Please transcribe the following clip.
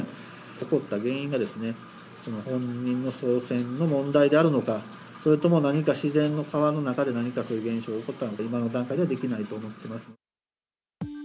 起こった原因が、本人の操船の問題であるのか、それとも何か自然の川の中で何かそういう現象が起こったのか、今の段階ではできないと思ってます。